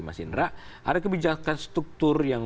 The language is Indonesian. mas indra ada kebijakan struktur yang